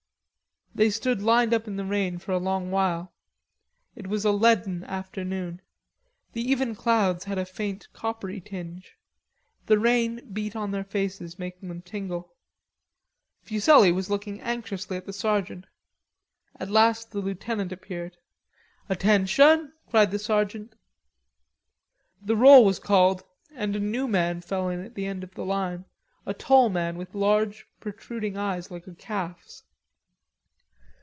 They stood lined up in the rain for a long while. It was a leaden afternoon. The even clouds had a faint coppery tinge. The rain beat in their faces, making them tingle. Fuselli was looking anxiously at the sergeant. At last the lieutenant appeared. "Attention!" cried the sergeant. The roll was called and a new man fell in at the end of the line, a tall man with large protruding eyes like a calf's.